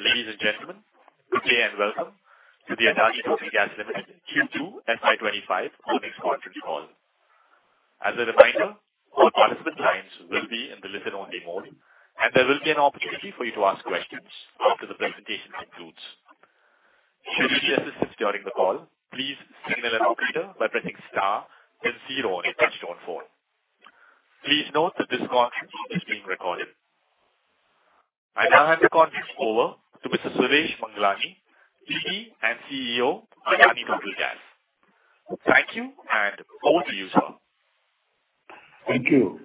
Ladies and gentlemen, good day and welcome to the Adani Total Gas Limited Q2 FY 2025 earnings conference call. As a reminder, all participant lines will be in the listen-only mode, and there will be an opportunity for you to ask questions after the presentation concludes. Should you need assistance during the call, please signal an operator by pressing star then zero on your phone. Please note that this call is being recorded. I now hand the conference over to Mr. Suresh Mangalani, MD and CEO, Adani Total Gas. Thank you, and over to you, sir. Thank you.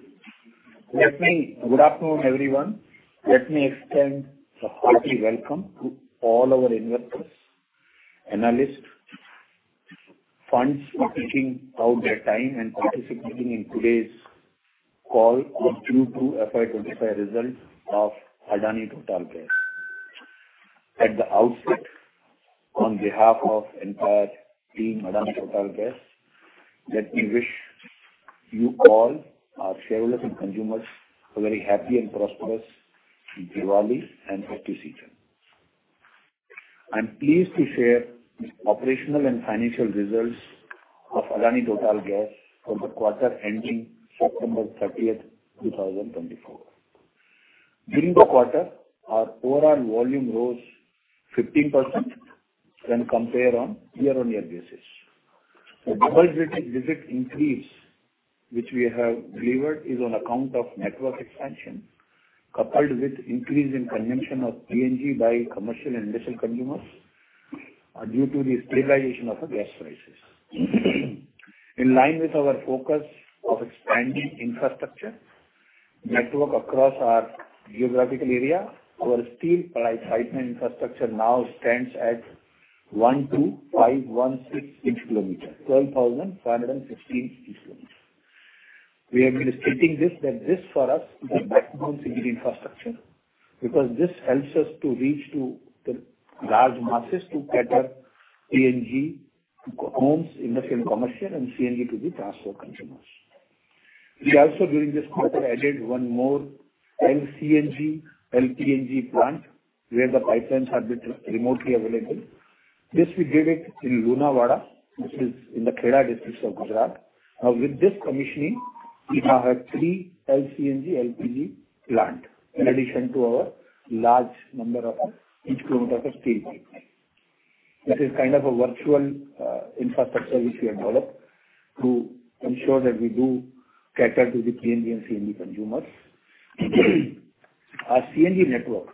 Good afternoon, everyone. Let me extend a hearty welcome to all our investors, analysts, funds for taking out their time and participating in today's call on Q2 FY twenty-five results of Adani Total Gas. At the outset, on behalf of entire team, Adani Total Gas, let me wish you all, our shareholders and consumers, a very happy and prosperous Diwali and festive season. I'm pleased to share the operational and financial results of Adani Total Gas for the quarter ending September thirtieth, two thousand and twenty-four. During the quarter, our overall volume rose 15% when compared on year-on-year basis. The double-digit visit increase, which we have delivered, is on account of network expansion, coupled with increase in consumption of PNG by commercial and industrial consumers, due to the stabilization of the gas prices. In line with our focus of expanding infrastructure network across our geographical area, our steel pipe pipeline infrastructure now stands at one, two, five, one, six, inch-kilometer. Twelve thousand, five hundred and sixteen inch-kilometers. We have been stating this, that this for us is the backbone CGD infrastructure, because this helps us to reach to the large masses to cater PNG to homes, industrial, commercial, and CNG to the transport consumers. We also, during this quarter, added one more LCNG, LNG plant, where the pipelines have been remotely available. This we did it in Lunawada, which is in the Kheda district of Gujarat. Now, with this commissioning, we have three LCNG, LNG plants, in addition to our large number of inch-kilometers of steel pipeline. This is kind of a virtual infrastructure which we have developed to ensure that we do cater to the PNG and CNG consumers. Our CNG network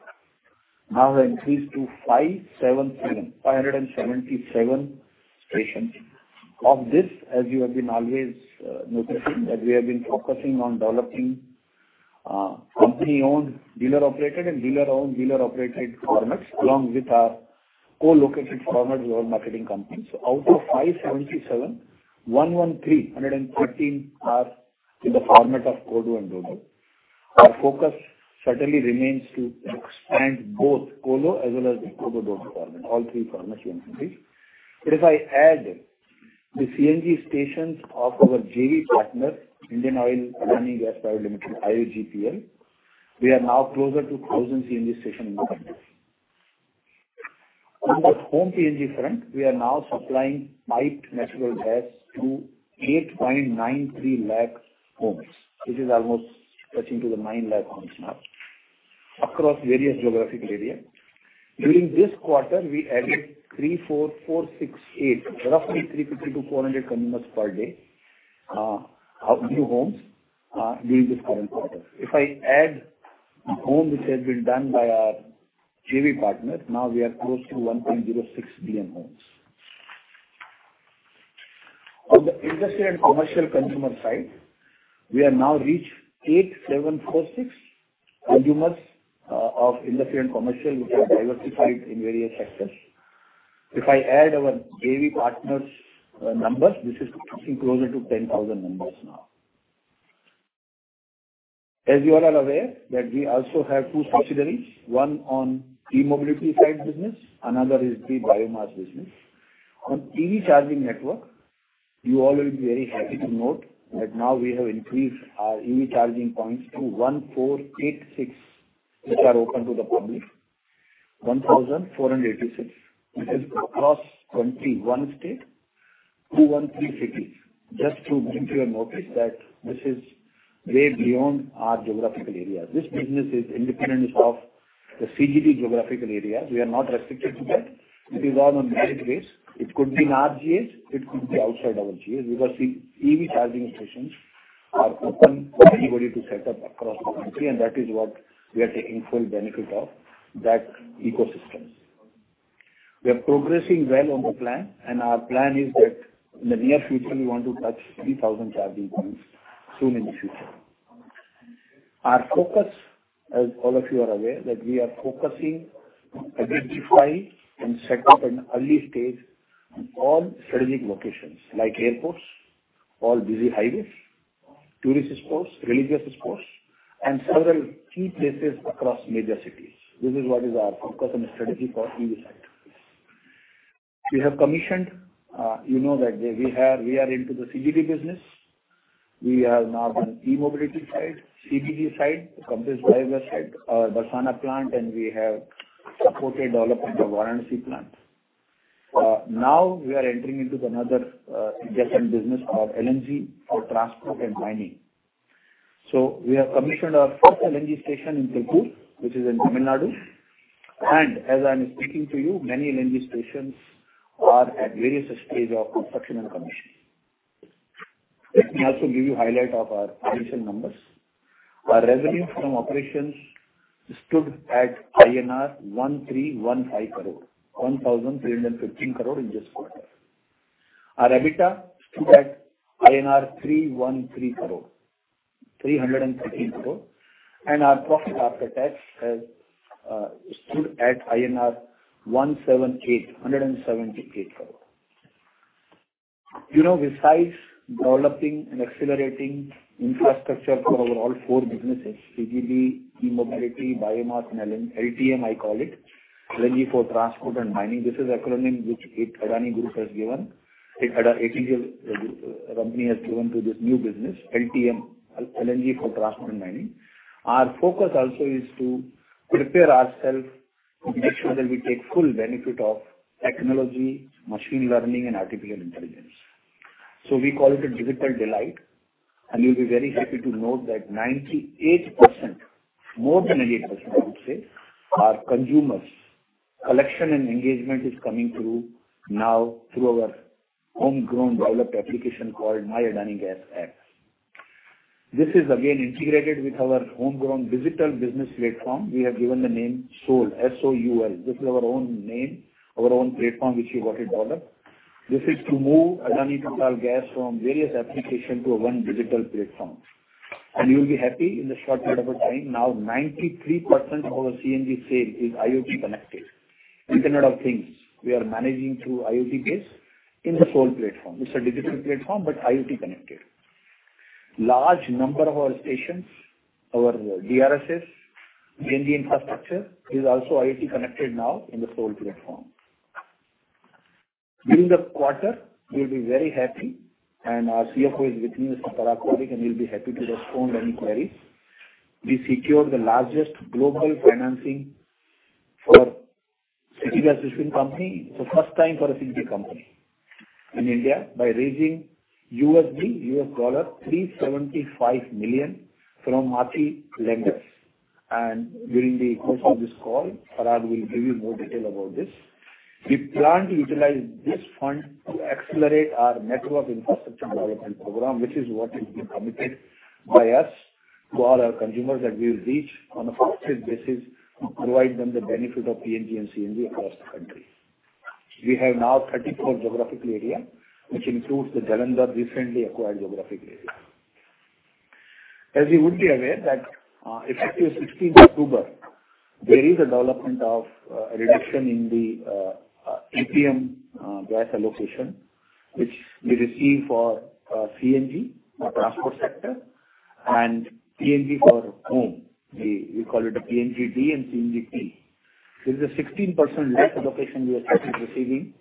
now has increased to 577, five hundred and seventy-seven stations. Of this, as you have been always noticing, that we have been focusing on developing company-owned, dealer-operated, and dealer-owned, dealer-operated formats, along with our co-located format with our marketing companies. So out of 577, 113, one hundred and thirteen, are in the format of CODO and DODO. Our focus certainly remains to expand both co-located as well as the CODO DODO format, all three format CNG. But if I add the CNG stations of our JV partner, IndianOil-Adani Gas Private Limited, IOAGPL, we are now closer to 1,000 CNG stations in the country. On the home CNG front, we are now supplying piped natural gas to 8.93 lakh homes, which is almost touching to the 9 lakh homes now, across various geographical area. During this quarter, we added roughly 350 to 400 consumers per day of new homes during this current quarter. If I add home, which has been done by our JV partner, now we are close to 1.06 million homes. On the industrial and commercial consumer side, we have now reached 8,746 consumers of industrial and commercial, which are diversified in various sectors. If I add our JV partners numbers, this is coming closer to 10,000 numbers now. As you all are aware, that we also have two subsidiaries, one on e-mobility side business, another is the biomass business. On EV charging network, you all will be very happy to note that now we have increased our EV charging points to 1,486, which are open to the public. 1,486, which is across 21 states, 213 cities. Just to bring to your notice that this is way beyond our geographical area. This business is independent of the CGD geographical areas. We are not restricted to that. It is all on merit basis. It could be in our GS, it could be outside our GS, because the EV charging stations are open for anybody to set up across the country, and that is what we are taking full benefit of, that ecosystem. We are progressing well on the plan, and our plan is that in the near future, we want to touch 3,000 charging points soon in the future. Our focus, as all of you are aware, that we are focusing, identify, and set up an early stage on all strategic locations, like airports, all busy highways, tourist spots, religious spots, and several key places across major cities. This is what is our focus and strategy for EV sector. We have commissioned, you know, we are into the CGD business. We are now on e-mobility side, CGD side, compressed biogas side, Dasna plant, and we have supported development of another plant. Now we are entering into another adjacent business called LNG for transport and mining. So we have commissioned our first LNG station in Tiruppur, which is in Tamil Nadu, and as I'm speaking to you, many LNG stations are at various stages of construction and commission. Let me also give you highlights of our financial numbers. Our revenue from operations stood at INR 1,315 crore, one thousand three hundred and fifteen crore in this quarter. Our EBITDA stood at INR 313 crore, three hundred and thirteen crore, and our profit after tax stood at INR 178 crore, hundred and seventy-eight crore. You know, besides developing and accelerating infrastructure for our all four businesses, CGD, e-mobility, biomass, and L- LTM, I call it, LNG for transport and mining. This is acronym which it Adani Group has given. It, Adani LNG, company has given to this new business, LTM, L-LNG for transport and mining. Our focus also is to prepare ourself to make sure that we take full benefit of technology, machine learning, and artificial intelligence. We call it a digital delight, and you'll be very happy to note that 98%, more than 98% I would say, our consumers collection and engagement is coming through now through our homegrown developed application called My Adani Gas App. This is again integrated with our homegrown digital business platform. We have given the name SOUL, S-O-U-L. This is our own name, our own platform, which we got it developed. This is to move Adani Total Gas from various application to one digital platform. You'll be happy, in the short period of time, now 93% of our CNG sale is IoT connected. Internet of Things, we are managing through IoT base in the SOUL platform. It's a digital platform, but IoT connected. Large number of our stations, our DRSS, CNG infrastructure, is also IoT connected now in the SOUL platform. During the quarter, we'll be very happy, and our CFO is with me, Mr. Parag Parikh, and he'll be happy to respond to any queries. We secured the largest global financing for a CGD distribution company. It's the first time for a CGD company in India by raising $375 million from multiple lenders. And during the course of this call, Parag will give you more detail about this. We plan to utilize this fund to accelerate our network infrastructure development program, which is what has been committed by us to all our consumers, that we will reach on a faster basis to provide them the benefit of PNG and CNG across the country. We have now 34 geographic areas, which includes the Jalandhar recently acquired geographic area. As you would be aware that, effective sixteenth October, there is a development of reduction in the APM gas allocation, which we receive for CNG, the transport sector, and PNG for home. We call it a PNG-D and CNG-T. There's a 16% less allocation we are currently receiving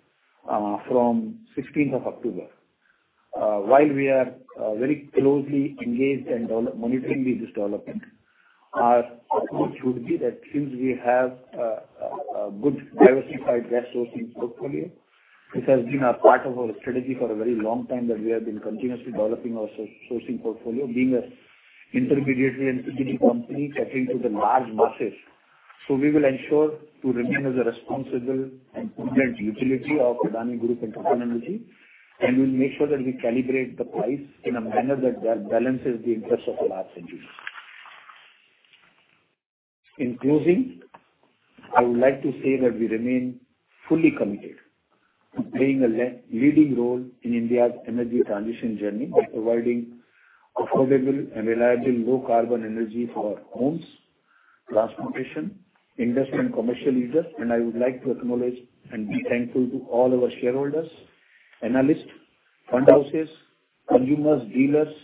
from sixteenth of October. While we are very closely engaged and monitoring this development, our approach would be that since we have a good diversified gas sourcing portfolio, this has been a part of our strategy for a very long time, that we have been continuously developing our sourcing portfolio, being a intermediary and CGD company catering to the large masses. We will ensure to remain as a responsible and prudent utility of Adani Group and TotalEnergies, and we'll make sure that we calibrate the price in a manner that balances the interest of the large consumers. In closing, I would like to say that we remain fully committed to playing a leading role in India's energy transition journey by providing affordable and reliable low carbon energy for homes, transportation, industrial and commercial users. I would like to acknowledge and be thankful to all our shareholders, analysts, fund houses, consumers, dealers,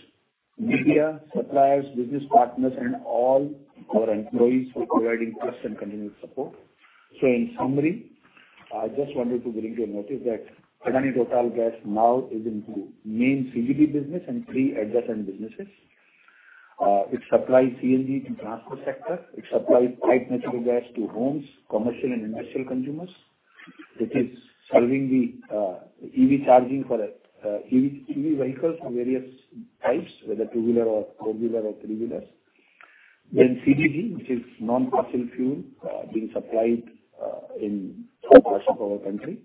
media, suppliers, business partners, and all our employees for their interest and continued support. In summary, I just wanted to bring to your notice that Adani Total Gas now is into main CGD business and three adjacent businesses. It supplies CNG to transport sector. It supplies Piped Natural Gas to homes, commercial and industrial consumers. It is serving the EV charging for EV vehicles of various types, whether two-wheeler or four-wheeler or three-wheelers. Then CGD, which is non-fossil fuel being supplied in large parts of our country.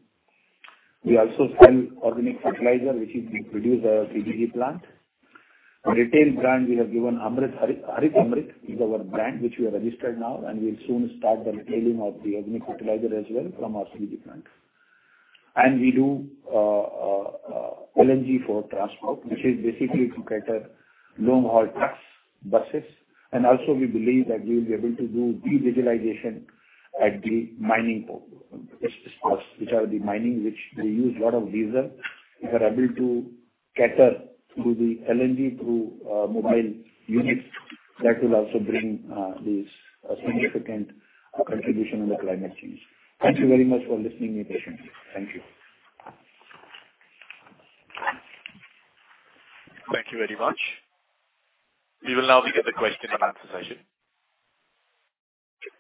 We also sell organic fertilizer, which is being produced at our CGD plant. Our retail brand, we have given Amrit, Harit Amrit is our brand, which we have registered now, and we'll soon start the retailing of the organic fertilizer as well from our CGD plant. And we do LNG for transport, which is basically to cater long-haul trucks, buses. And also, we believe that we will be able to do decarbonization at the mining port ports, which are the mining, which they use lot of diesel. We are able to cater to the LNG through mobile units. That will also bring this significant contribution in the climate change. Thank you very much for listening me patiently. Thank you. Thank you very much. We will now begin the question and answer session.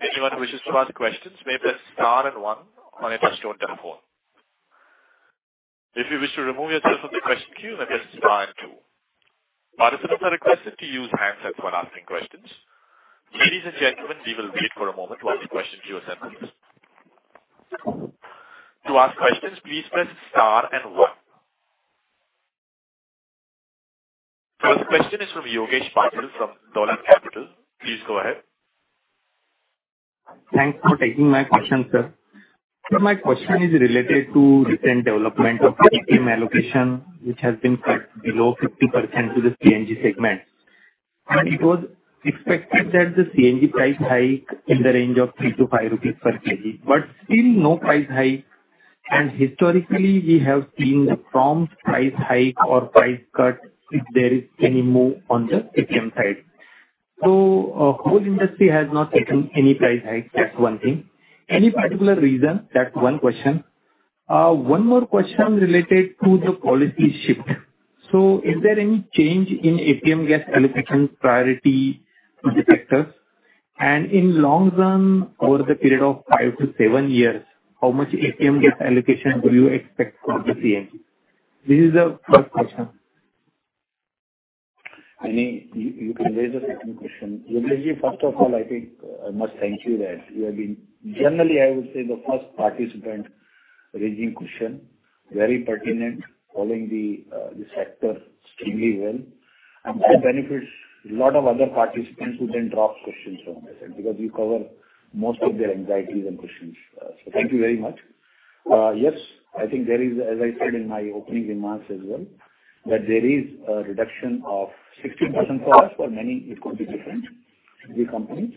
Anyone who wishes to ask questions, may press star and one on your touch-tone phone. If you wish to remove yourself from the question queue, then press star and two. Participants are requested to use handsets when asking questions. Ladies and gentlemen, we will wait for a moment while the question queue settles. To ask questions, please press star and one. First question is from Yogesh Patil from Dolat Capital. Please go ahead. Thanks for taking my question, sir. So my question is related to recent development of APM allocation, which has been cut below 50% to the CNG segment. And it was expected that the CNG price hike in the range of 3-5 rupees per kg, but still no price hike. And historically, we have seen a prompt price hike or price cut, if there is any move on the APM side. So whole industry has not taken any price hikes, that's one thing. Any particular reason? That's one question. One more question related to the policy shift. So is there any change in APM gas allocation priority for the sectors? And in long run, over the period of five to seven years, how much APM gas allocation do you expect for the CNG? This is the first question. I mean, you can raise the second question. Yogesh, first of all, I think I must thank you that you have been, generally, I would say, the first participant raising question, very pertinent, following the sector extremely well. And that benefits a lot of other participants who then drop questions from yourself, because you cover most of their anxieties and questions. So thank you very much. Yes, I think there is, as I said in my opening remarks as well, that there is a reduction of 16% for us, for many it could be different, the companies.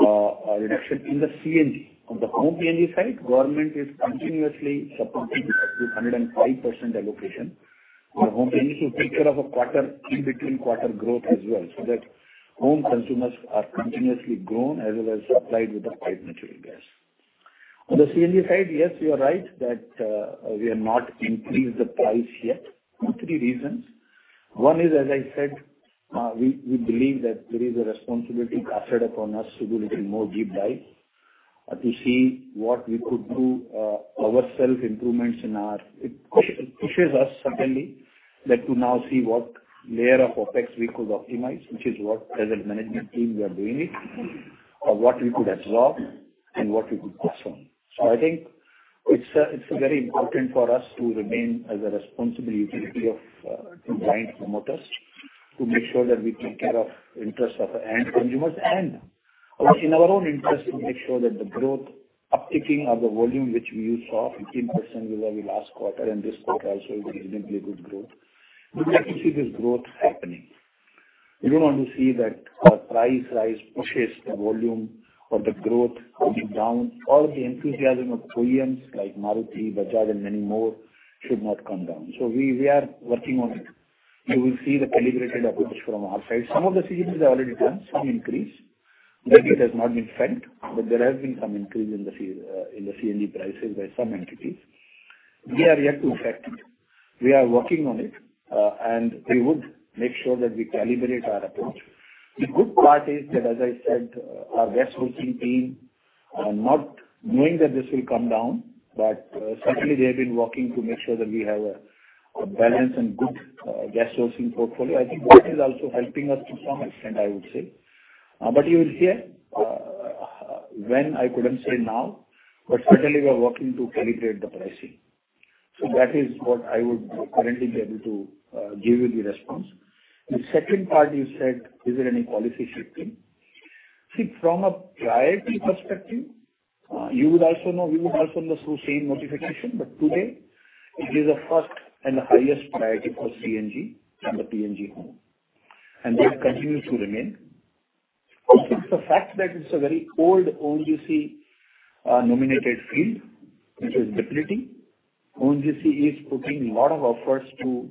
A reduction in the CNG. On the home CNG side, government is continuously supporting up to 105% allocation. For home CNG, to take care of a quarter in between quarter growth as well, so that home consumers are continuously grown as well as supplied with the piped natural gas. On the CNG side, yes, you are right that, we have not increased the price yet, for three reasons. One is, as I said, we believe that there is a responsibility cast upon us to do a little more deep dive, to see what we could do, our self-improvements in our... It pushes us certainly, to now see what layer of OpEx we could optimize, which is what as a management team, we are doing, or what we could absorb and what we could pass on. So I think it's very important for us to remain as a responsible utility of combined promoters to make sure that we take care of interest of our end consumers. And also in our own interest to make sure that the growth uptaking of the volume which we saw 15% was our last quarter and this quarter also is reasonably a good growth. We'd like to see this growth happening. We don't want to see that our price rise pushes the volume or the growth coming down. All the enthusiasm of OEMs like Maruti, Bajaj and many more should not come down. So we are working on it. You will see the calibrated approach from our side. Some of the CNGs have already done some increase, maybe it has not been felt, but there has been some increase in the CNG prices by some entities. We are yet to affect it. We are working on it, and we would make sure that we calibrate our approach. The good part is that, as I said, our gas sourcing team, not knowing that this will come down, but certainly they have been working to make sure that we have a balanced and good gas sourcing portfolio. I think that is also helping us to some extent, I would say. But you will see it. When, I couldn't say now, but certainly we are working to calibrate the pricing. So that is what I would currently be able to give you the response. The second part you said, is there any policy shifting? See, from a priority perspective, you would also know, we would also know through same notification, but today it is a first and the highest priority for CNG and the PNG home, and that continues to remain. I think the fact that it's a very old ONGC nominated field, which is depleting, ONGC is putting a lot of efforts to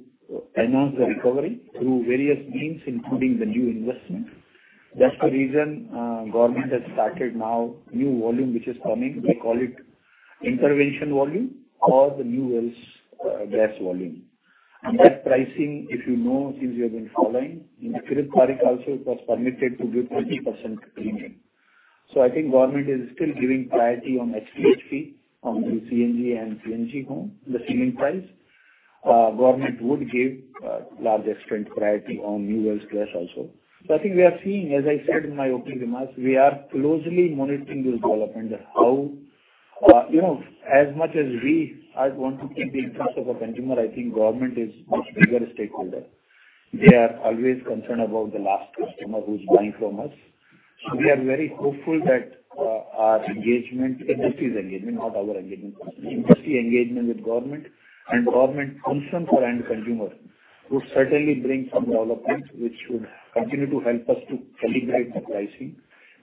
enhance the recovery through various means, including the new investment. That's the reason, government has started now, new volume, which is coming, they call it intervention volume or the new wells, gas volume. And that pricing, if you know, since you have been following, in the Kirit Parikh also, it was permitted to be 20% premium. So I think government is still giving priority on HPHT, on the CNG and CNG home, the CN price. Government would give large extent priority on new wells gas also. So I think we are seeing, as I said in my opening remarks, we are closely monitoring this development and how. You know, as much as we, I want to keep the interest of the consumer. I think government is bigger stakeholder. They are always concerned about the last customer who's buying from us. We are very hopeful that, our engagement, industry's engagement, not our engagement, industry engagement with government and government concern for end consumer, will certainly bring some developments, which should continue to help us to calibrate the pricing,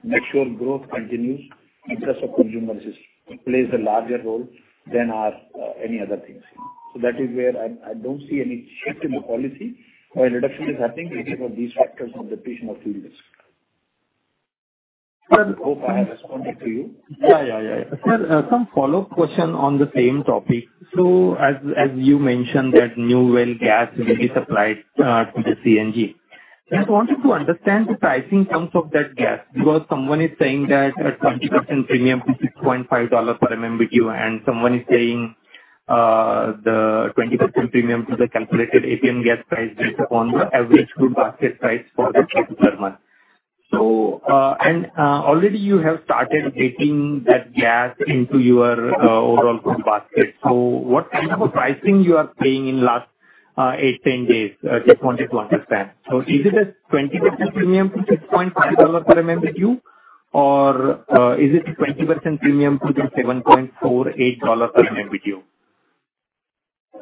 make sure growth continues, interest of consumers is plays a larger role than our, any other things. That is where I don't see any shift in the policy, where reduction is happening because of these factors of depletion of fuel risk. Well- I hope I have responded to you. Yeah, yeah, yeah. Sir, some follow-up question on the same topic. So as you mentioned, that new well gas will be supplied to the CNG. I just wanted to understand the pricing terms of that gas, because someone is saying that a 20% premium to $6.5 per MMBTU, and someone is saying the 20% premium to the calculated APM gas price based upon the average crude basket price for the particular month. So, and already you have started taking that gas into your overall crude basket. So what kind of a pricing you are paying in last eight, 10 days? I just wanted to understand. So is it a 20% premium to $6.5 per MMBTU, or is it a 20% premium to the $7.48 per MMBTU?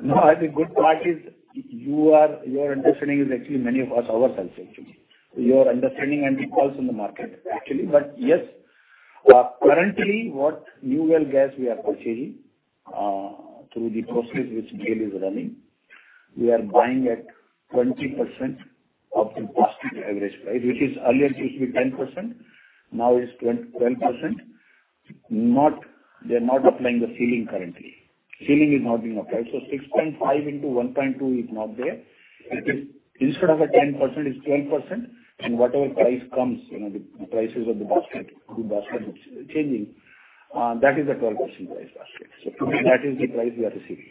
No, the good part is you are, your understanding is actually many of us, ourselves, actually. Your understanding and the pulse in the market, actually. But yes, currently, what new well gas we are purchasing through the process which GAIL is running, we are buying at 20% of the basket average price, which is earlier used to be 10%, now it's twelve percent. They are not applying the ceiling currently. Ceiling is not being applied. So 6.5 into 1.2 is not there. It is, instead of a 10%, it's 12%. And whatever price comes, you know, the prices of the basket, the basket is changing, that is the 12% price basket. So that is the price we are receiving.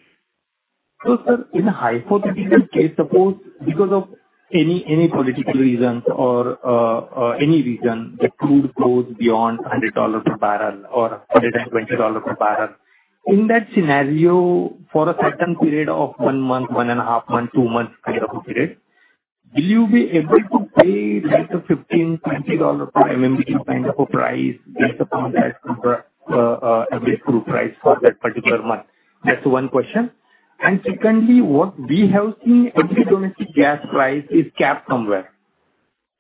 So, sir, in a hypothetical case, suppose because of any political reason or any reason, the crude goes beyond $100 per barrel or $120 per barrel. In that scenario, for a certain period of one month, one and a half month, two months kind of a period, will you be able to pay like a $15-$20 per MMBTU kind of a price, based upon that average crude price for that particular month? That's one question. And secondly, what we have seen every domestic gas price is capped somewhere,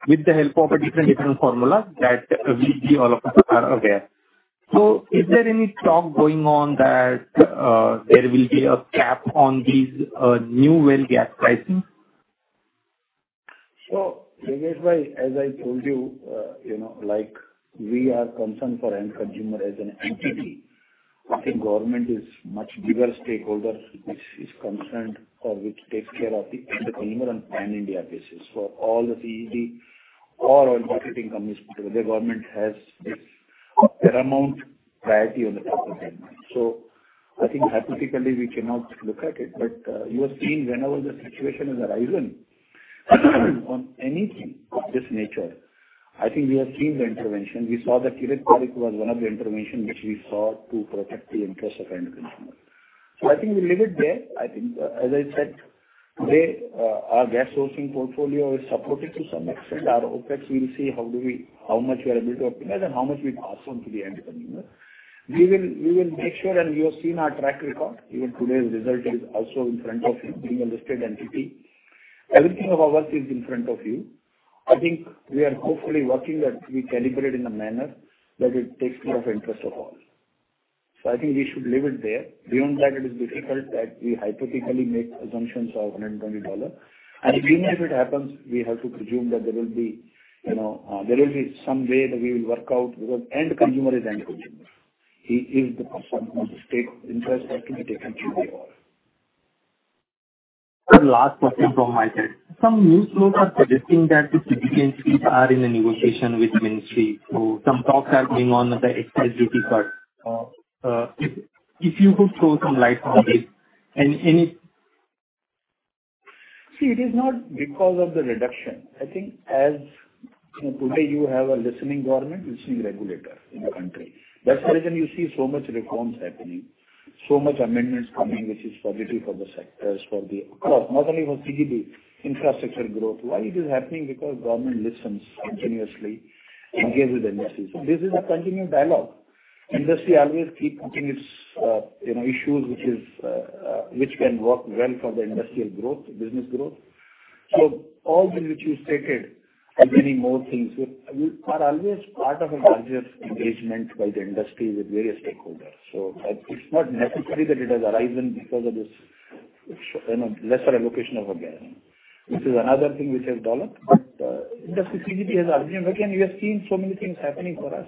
with the help of a different formula that we all of us are aware. So is there any talk going on that there will be a cap on these new well gas pricing? So, Yogesh bhai, as I told you, you know, like, we are concerned for end consumer as an entity. I think government is much bigger stakeholder, which is concerned or which takes care of the end consumer on pan-India basis. For all the CGD, all our marketing companies, the government has this paramount priority on the top of their mind. So I think hypothetically, we cannot look at it, but, you have seen whenever the situation has arisen, on anything of this nature, I think we have seen the intervention. We saw that Kirit Parikh was one of the intervention which we saw to protect the interest of end consumer. So I think we leave it there. I think, as I said, today, our gas sourcing portfolio is supported to some extent. Our OpEx, we will see how much we are able to optimize and how much we pass on to the end consumer. We will, we will make sure, and you have seen our track record, even today's result is also in front of you, being a listed entity. Everything of ours is in front of you. I think we are hopefully working that we calibrate in a manner that it takes care of interest of all. So I think we should leave it there. Beyond that, it is difficult that we hypothetically make assumptions of $120, and even if it happens, we have to presume that there will be, you know, there will be some way that we will work out, because end consumer is end consumer. He is the person whose stake, interest has to be taken care of. One last question from my side. Some news folks are predicting that the CGD and CBG are in a negotiation with the ministry, so some talks are going on the excise duty part. If you could throw some light on this, and any- See, it is not because of the reduction. I think as, you know, today you have a listening government, listening regulator in the country. That's the reason you see so much reforms happening, so much amendments coming, which is positive for the sectors, for the... Of course, not only for CGD, infrastructure growth. Why it is happening? Because government listens continuously, engages the industry. So this is a continuous dialogue. Industry always keep continuing its, you know, issues, which is, which can work well for the industrial growth, business growth. So all that which you stated, and many more things, which are always part of a larger engagement by the industry with various stakeholders. So it's not necessary that it has arisen because of this, you know, lesser allocation of a gas. This is another thing which has developed. But, industry CGD has arisen, but again, you have seen so many things happening for us.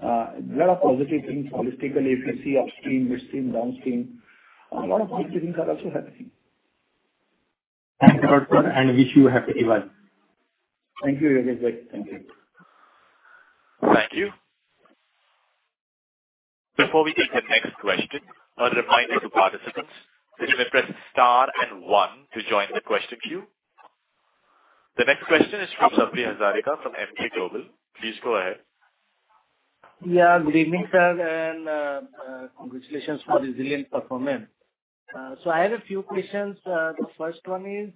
Lot of positive things holistically, if you see upstream, midstream, downstream, a lot of positive things are also happening. Thank you, sir, and wish you a happy Diwali. Thank you, Yogesh bhai. Thank you. Thank you. Before we take the next question, a reminder to participants, you may press star and one to join the question queue. The next question is from Sabri Hazarika from Emkay Global. Please go ahead. Yeah, good evening, sir, and congratulations for the resilient performance. So I have a few questions. The first one is,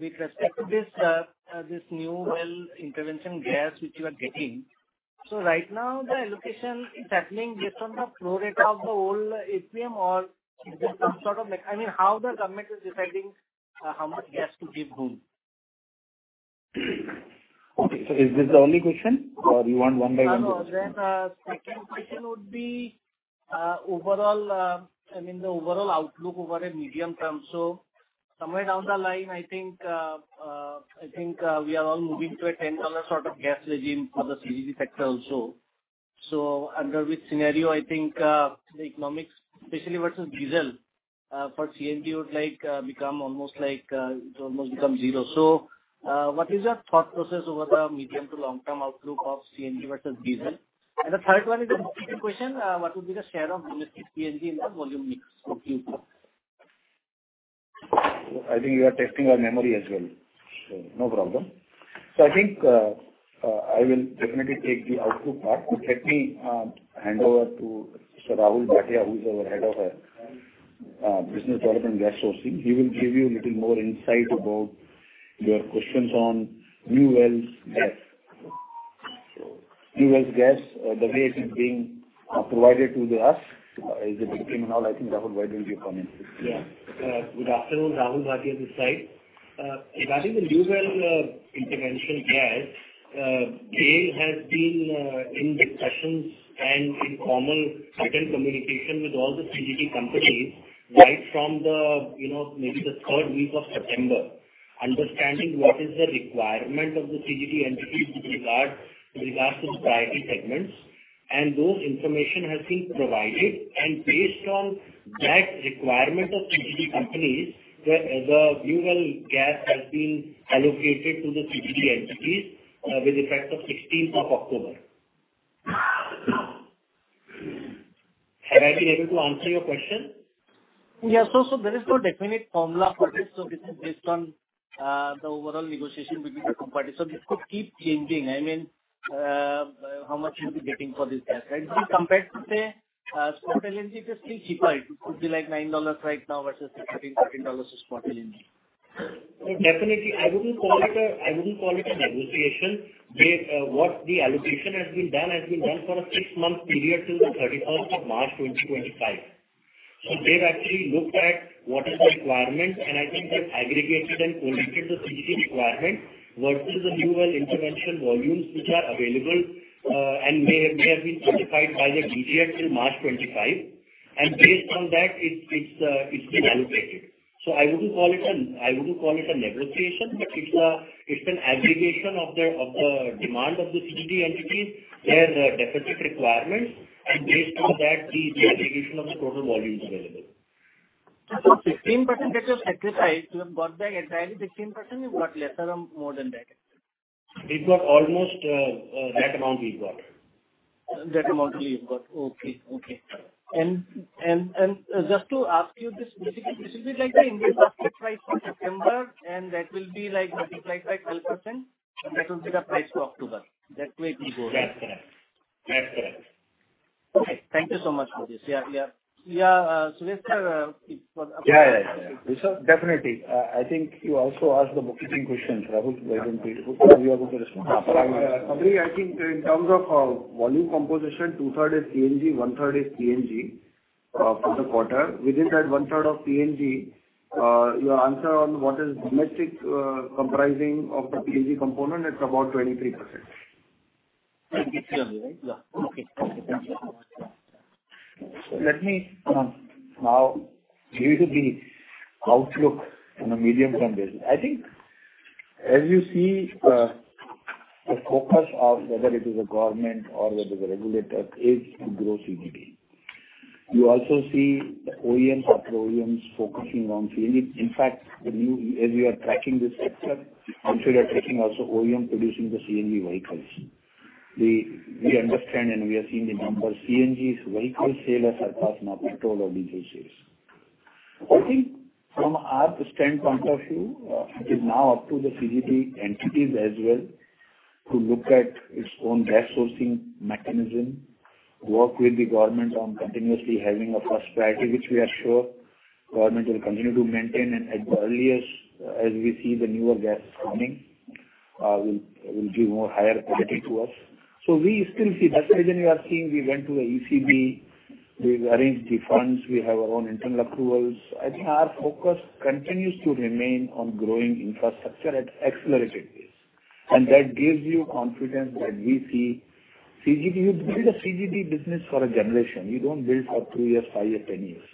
with respect to this, this new well intervention gas, which you are getting. So right now, the allocation is happening just on the flow rate of the whole APM or is there some sort of like... I mean, how the government is deciding, how much gas to give whom? Okay, so is this the only question, or you want one by one? No, no, then, second question would be, overall, I mean, the overall outlook over a medium term. So somewhere down the line, I think, we are all moving to a $10 sort of gas regime for the CGD sector also. So under which scenario, I think, the economics, especially versus diesel, for CNG would like, become almost like, it almost become zero. So, what is your thought process over the medium to long-term outlook of CNG versus diesel? And the third one is a bookkeeping question: What would be the share of new CNG in the volume mix of you? I think you are testing our memory as well, so no problem. I think I will definitely take the output part. But let me hand over to Sir Rahul Bhatia, who is our Head of Business Development Gas Sourcing. He will give you a little more insight about your questions on new wells gas. New wells gas, the way it is being provided to us, is it okay now? I think, Rahul, why don't you comment? Yeah. Good afternoon, Rahul Bhatia this side. Regarding the new well intervention gas, GAIL has been in discussions and in formal written communication with all the CGD companies right from the, you know, maybe the third week of September, understanding what is the requirement of the CGD entities with regard, with regards to priority segments. And those information has been provided, and based on that requirement of CGD companies, the new well gas has been allocated to the CGD entities with effect of sixteenth of October. Have I been able to answer your question? Yeah. So there is no definite formula for this. So this is based on the overall negotiation between the companies. So this could keep changing. I mean, how much you'll be getting for this gas, right? If you compare it to, say, spot LNG, it is still cheaper. It could be like $9 right now versus $13-$14 for spot LNG. Definitely. I wouldn't call it a negotiation. The allocation has been done for a six-month period till the thirty-first of March, 2025. So they've actually looked at what is the requirement, and I think they've aggregated and coordinated the CGD requirement versus the new well intervention volumes which are available, and may have been certified by the DGH till March 2025. Based on that, it's been allocated. So I wouldn't call it a negotiation, but it's an aggregation of the demand of the CGD entities, their deficit requirements, and based on that, the aggregation of the total volumes available. So 15% that you have sacrificed, you have got back entirely 15% or you got lesser or more than that? We got almost that amount we got. That amount you got. Okay, okay. And just to ask you this, this will be like the Indian price for September, and that will be like multiplied by 12%, and that will be the price for October. That way we go, right? That's correct. That's correct. Okay, thank you so much for this. Yeah, yeah. Yeah, Suresh, it's for- Yeah, yeah, yeah. Definitely. I think you also asked the bookkeeping question, Rahul, why don't you... Are you able to respond? Probably, I think in terms of volume composition, two-thirds is CNG, one-third is PNG for the quarter. Within that one-third of PNG, your answer on what is domestic comprising of the PNG component, it's about 23%. 23%, right? Yeah. Okay, thank you. Let me now give you the outlook on a medium-term basis. I think as you see, the focus of whether it is a government or whether the regulator is to grow CGD. You also see the OEMs after OEMs focusing on CGD. In fact, the new-- as we are tracking this sector, I'm sure you are tracking also OEM producing the CNG vehicles. We understand and we are seeing the numbers. CNG's vehicle sales are crossing out petrol or diesel sales. I think from our standpoint of view, it is now up to the CGD entities as well to look at its own gas sourcing mechanism, work with the government on continuously having a first priority, which we are sure government will continue to maintain, and at the earliest, as we see the newer gas coming, will give more higher priority to us. So we still see that reason we are seeing, we went to the ECB, we've arranged the funds, we have our own internal approvals. I think our focus continues to remain on growing infrastructure at accelerated pace, and that gives you confidence that we see CGD. You build a CGD business for a generation. You don't build for two years, five years, ten years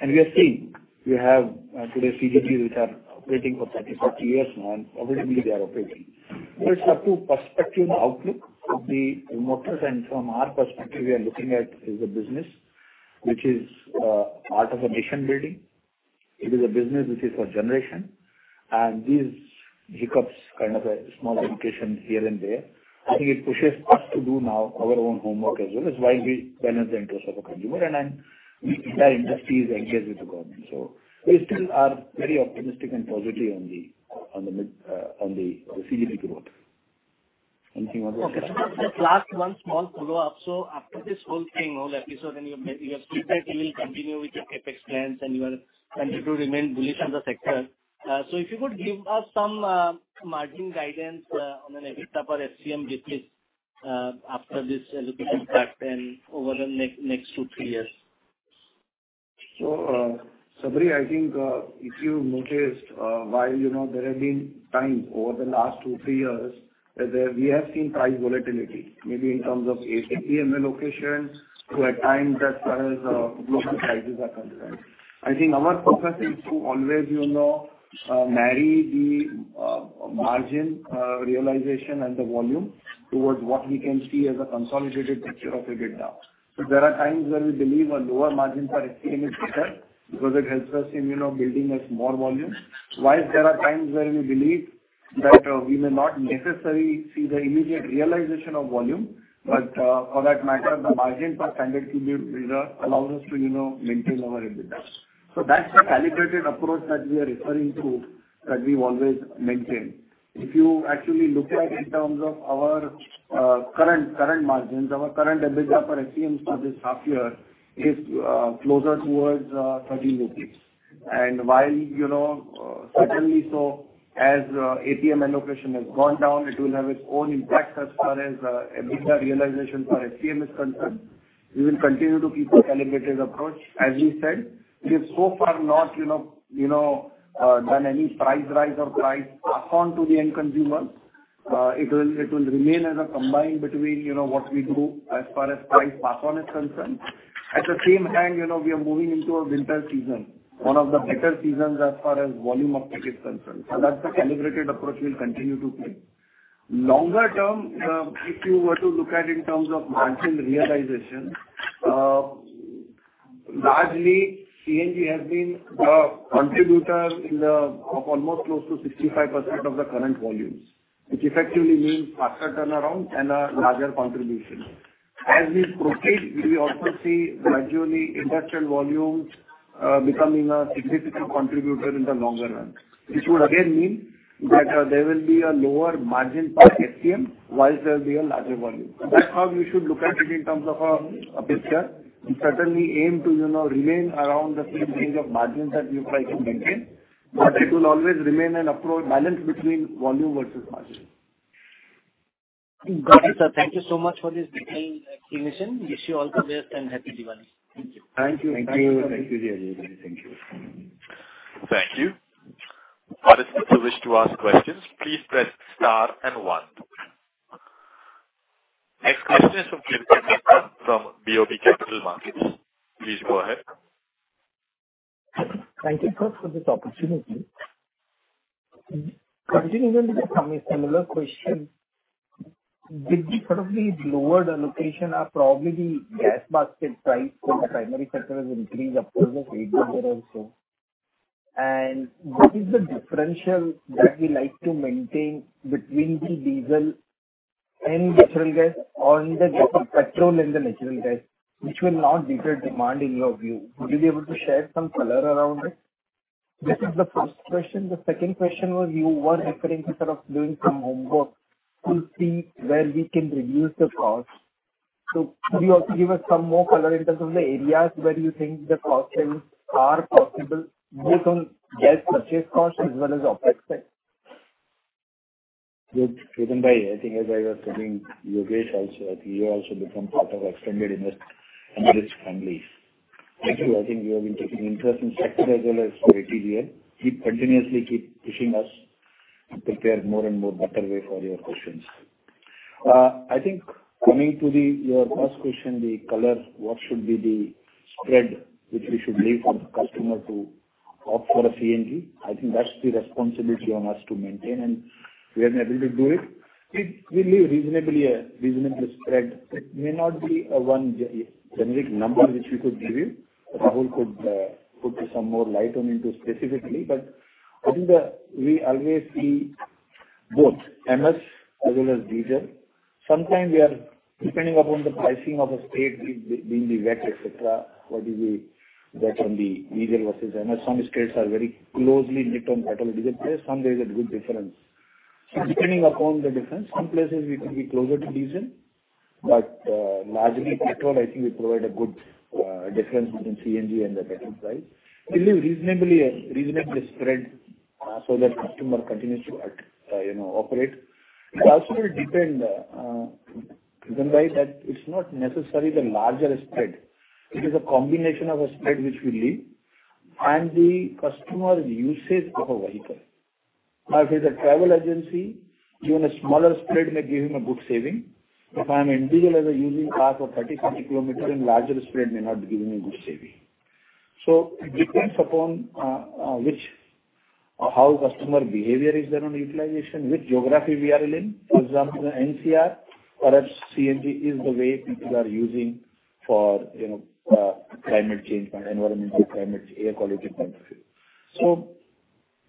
and we are seeing, we have today CGD, which are operating for thirty, forty years now, and profitably they are operating, so it's up to perspective and outlook of the investors, and from our perspective, we are looking at is a business which is part of a nation building. It is a business which is for generation, and these hiccups, kind of a small indications here and there, I think it pushes us to do now our own homework as well. It's why we balance the interest of the consumer, and then we, our industry is engaged with the government. So we still are very optimistic and positive on the, on the mid, on the CGD growth. Anything you want to add? Okay. Just last one small follow-up. So after this whole thing, all the episode, and you have said that you will continue with your CapEx plans and you are continue to remain bullish on the sector. So if you could give us some margin guidance on an EBITDA or SCM basis after this allocation part and over the next two, three years? So, Sabri, I think if you noticed while you know there have been times over the last two three years that we have seen price volatility maybe in terms of APM allocations to at times as far as global prices are concerned. I think our purpose is to always you know marry the margin realization and the volume towards what we can see as a consolidated picture of a good outlook. So there are times where we believe a lower margins are still better because it helps us in you know building a solid volume. While there are times where we believe that we may not necessarily see the immediate realization of volume but for that matter the margin per ton allows us to you know maintain our EBITDA. So that's the calibrated approach that we are referring to, that we've always maintained. If you actually look at in terms of our current margins, our current EBITDA for SCM for this half year is closer towards 13 rupees. And while, you know, certainly so, as APM allocation has gone down, it will have its own impact as far as EBITDA realization for SCM is concerned. We will continue to keep a calibrated approach. As we said, we have so far not, you know, done any price rise or price pass on to the end consumer. It will remain as a combined between, you know, what we do as far as price pass on is concerned. At the same time, you know, we are moving into a winter season, one of the better seasons as far as volume offtake concerned, and that's the calibrated approach we'll continue to play. Longer term, if you were to look at in terms of margin realization, largely, CNG has been a contributor in the, of almost close to 65% of the current volumes, which effectively means faster turnaround and a larger contribution. As we proceed, we also see gradually industrial volumes, becoming a significant contributor in the longer run, which would again mean that, there will be a lower margin for SCM, while there will be a larger volume. That's how we should look at it in terms of a picture. We certainly aim to, you know, remain around the same range of margins that we try to maintain, but it will always remain an approach, balance between volume versus margin. Got it, sir. Thank you so much for this detailed explanation. Wish you all the best and happy Diwali. Thank you. Thank you. Thank you. Thank you. Thank you. Participants who wish to ask questions, please press star and one. Next question is from Kirtan Mehta from BOB Capital Markets. Please go ahead. Thank you first for this opportunity. Continuing with some similar question, did the sort of the lower allocation or probably the gas basket price from the primary sector has increased up to the stage there or so? And what is the differential that we like to maintain between the diesel and natural gas or in the case of petrol and the natural gas, which will not deter demand, in your view? Would you be able to share some color around it? This is the first question. The second question was, you were referring to sort of doing some homework to see where we can reduce the cost. So could you also give us some more color in terms of the areas where you think the cost savings are possible, based on gas purchase cost as well as OpEx spend? Good, Kirtan bhai, I think as I was telling Yogesh also, I think you also become part of extended investor and its families. Thank you. I think you have been taking interest in sector as well as for ATGL. Keep continuously keep pushing us to prepare more and more better way for your questions. I think coming to the your first question, the color, what should be the spread which we should leave for the customer to opt for a CNG? I think that's the responsibility on us to maintain, and we are able to do it. We leave reasonably a reasonably spread. It may not be a one generic number which we could give you. Rahul could put some more light on into specifically, but I think we always see both MS as well as diesel. Sometimes we are depending upon the pricing of a state, being the VAT, et cetera, what do we get from the diesel versus MS. Some states are very closely knit on petrol, diesel price, some there is a good difference. So depending upon the difference, some places we could be closer to diesel, but largely petrol, I think we provide a good difference between CNG and the petrol price. It is reasonably a spread, so that customer continues to, you know, operate. It also will depend, Kirtan bhai, that it's not necessarily the larger spread. It is a combination of a spread which we leave, and the customer's usage of a vehicle. Now, if it's a travel agency, even a smaller spread may give him a good saving. If I'm an individual as a user car for 30, 40 kilometer, then larger spread may not be giving me good saving. So it depends upon which or how customer behavior is there on utilization, which geography we are in. For example, NCR, perhaps CNG is the way people are using for, you know, climate change and environmental, climate, air quality point of view. So,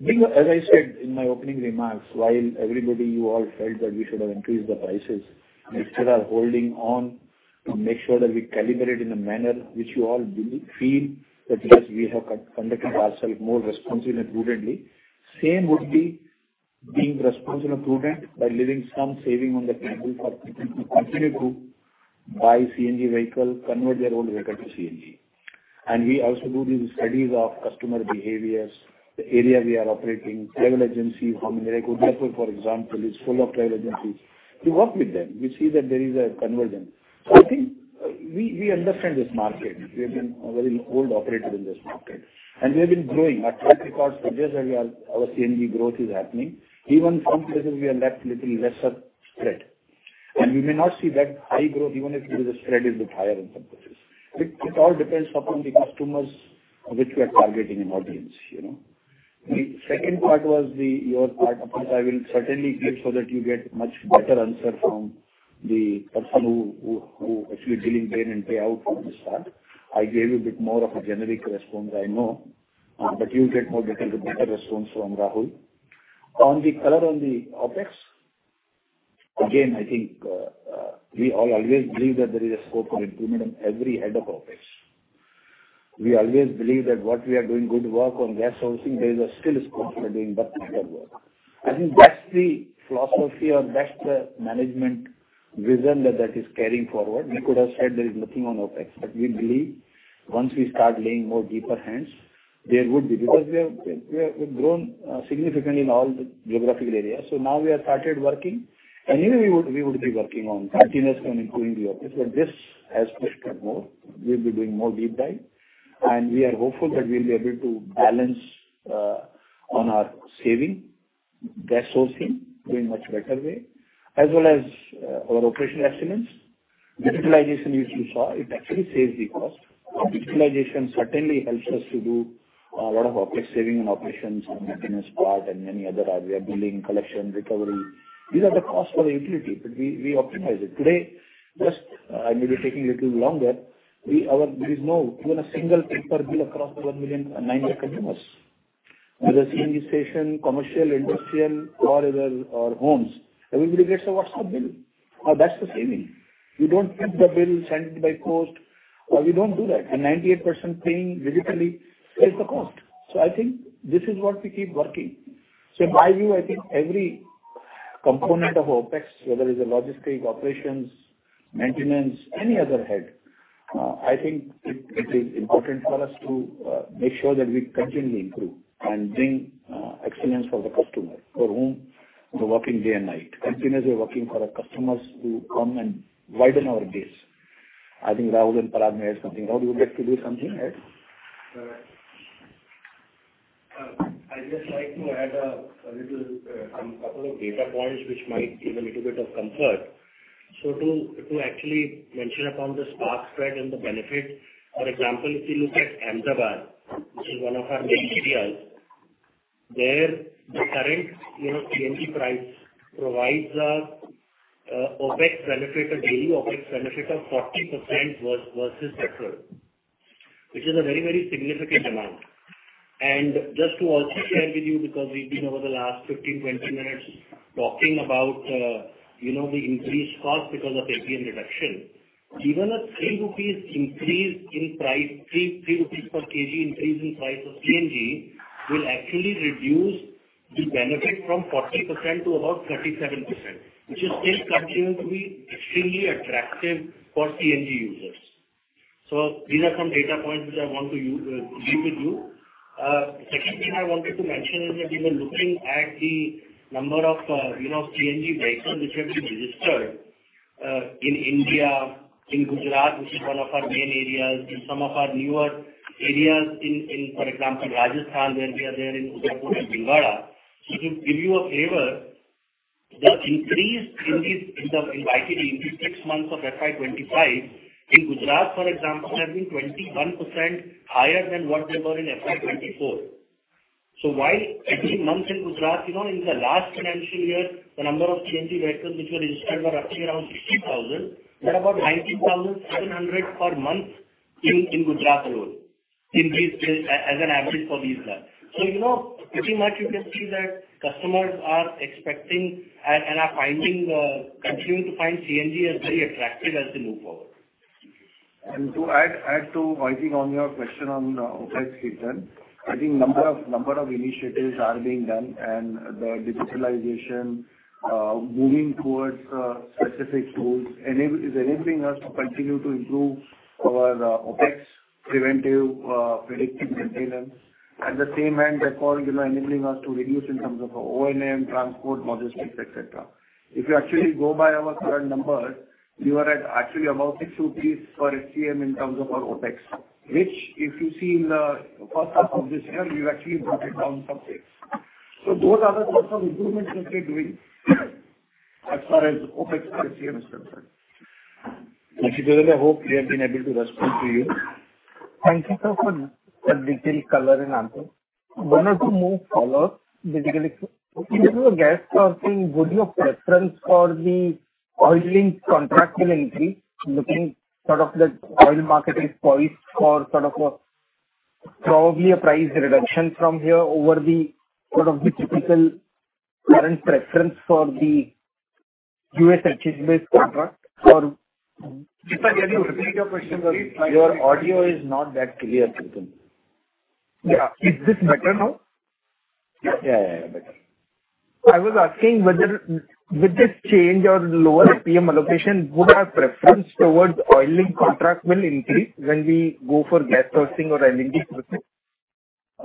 as I said in my opening remarks, while everybody, you all felt that we should have increased the prices, we still are holding on to make sure that we calibrate in a manner which you all do feel that, yes, we have conducted ourselves more responsive and prudently. Same would be being responsive and prudent by leaving some saving on the table for people to continue to buy CNG vehicle, convert their own vehicle to CNG. We also do the studies of customer behaviors, the area we are operating, travel agency, how many... Gurgaon, for example, is full of travel agencies. We work with them. We see that there is a convergence. We understand this market. We have been a very old operator in this market, and we have been growing. Our track records suggest that our CNG growth is happening. Even some places we are left little lesser spread, and we may not see that high growth, even if the spread is bit higher in some places. It all depends upon the customers which we are targeting in audience, you know. The second part was the, your part, of course, I will certainly get so that you get much better answer from the person who actually dealing day in and day out on this part. I gave you a bit more of a generic response, I know, but you'll get more better response from Rahul. On the color on the OpEx, again, I think, we all always believe that there is a scope for improvement in every head of OpEx. We always believe that what we are doing good work on gas sourcing, there is a still scope for doing better work. I think that's the philosophy or that's the management vision that is carrying forward. We could have said there is nothing on OpEx, but we believe once we start laying more deeper hands, there would be, because we've grown significantly in all the geographical areas. So now we have started working, and anyway, we would be working on continuous and improving the OpEx, but this has pushed us more. We'll be doing more deep dive, and we are hopeful that we'll be able to balance on our saving, gas sourcing, doing much better way, as well as our operational excellence. Digitalization, as you saw, it actually saves the cost. Digitalization certainly helps us to do a lot of OpEx saving and operations and maintenance part and many other areas, billing, collection, recovery. These are the costs for the utility, but we optimize it. Today, I may be taking a little longer. There is not even a single paper bill across the one million and nine lakh customers. Whether CNG station, commercial, industrial, or homes, everybody gets a WhatsApp bill. That's the saving. We don't print the bill, send it by post, or we don't do that, and 98% paying digitally saves the cost. So, I think this is what we keep working. So by you, I think every component of OpEx, whether it's a logistic, operations, maintenance, any other head, I think it is important for us to make sure that we continually improve and bring excellence for the customer, for whom we're working day and night. Continuously working for our customers who come and widen our base. I think Rahul and Parag may add something. Oh, do you get to do something, add? I'd just like to add a little some couple of data points, which might give a little bit of comfort, so to actually mention upon the spark spread and the benefit, for example, if you look at Ahmedabad, which is one of our main cities, where the current, you know, CNG price provides a OpEx benefit, daily OpEx benefit of 40% versus petrol, which is a very, very significant amount, and just to also share with you, because we've been over the last 15-20 minutes talking about you know the increased cost because of APM reduction. Even an 3 rupees increase in price, 3 rupees per kg increase in price of CNG, will actually reduce the benefit from 40% to about 37%, which is still continuing to be extremely attractive for CNG users. So these are some data points which I want to share with you. Second thing I wanted to mention is that we were looking at the number of, you know, CNG vehicles which have been registered, in India, in Gujarat, which is one of our main areas, in some of our newer areas in, for example, Rajasthan, where we are there in Udaipur and Baroda. So to give you a flavor, the increase in YTD, in the six months of FY 2025, in Gujarat, for example, has been 21% higher than what they were in FY 2024. So while every month in Gujarat, you know, in the last financial year, the number of CNG vehicles which were registered were roughly around 60,000. We're about ninety-thousand seven hundred per month in Gujarat alone, in these days, as an average for these months. So, you know, pretty much you can see that customers are expecting and are finding continuing to find CNG as very attractive as they move forward. To add to, I think, on your question on OpEx, then, I think number of initiatives are being done, and the digitalization, moving towards specific tools, is enabling us to continue to improve our OpEx preventive predictive maintenance. At the same time, they're all, you know, enabling us to reduce in terms of O&M, transport, logistics, et cetera. If you actually go by our current numbers, we are at actually about 6 rupees per SCM in terms of our OpEx, which, if you see in the first half of this year, we've actually brought it down from 8. So those are the types of improvements that we're doing as far as OpEx per SCM is concerned. Thank you, gentlemen. I hope we have been able to respond to you. Thank you, sir, for the detailed color and answer. One or two more follow-up, basically. In terms of gas sourcing, would your preference for the oil link contractual entry, looking sort of the oil market is poised for sort of a probably a price reduction from here over the sort of the typical current preference for the US gas-based contract or- Just again, can you repeat your question, please? Your audio is not that clear, so can't. Yeah. Is this better now? Yeah, yeah, yeah, better. I was asking whether with this change or lower APM allocation, would our preference towards oil-linked contract will increase when we go for gas sourcing or LNG sourcing?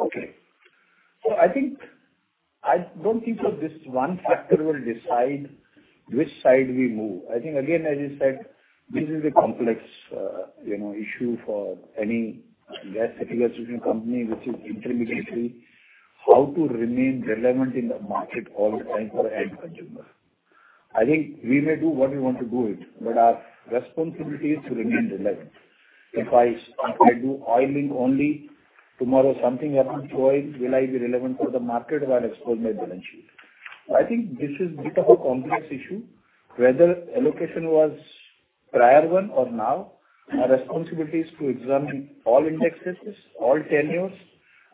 Okay. So I think, I don't think so this one factor will decide which side we move. I think, again, as you said, this is a complex, you know, issue for any gas distribution company, which is intermediately, how to remain relevant in the market all the time for end consumer. I think we may do what we want to do it, but our responsibility is to remain relevant. If I, if I do oil link only, tomorrow, something happens to oil, will I be relevant for the market? Will I expose my balance sheet? I think this is bit of a complex issue, whether allocation was prior one or now, our responsibility is to examine all index risks, all tenures,